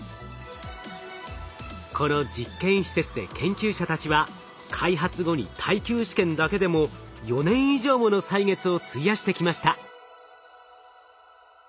この実験施設で研究者たちは開発後に耐久試験だけでも４年以上もの歳月を費やしてきました。